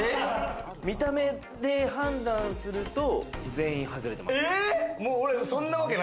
見た目で判断すると全員外れてます。